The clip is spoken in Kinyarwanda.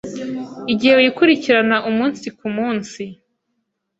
igihe wikurikirana umunsi ku munsi,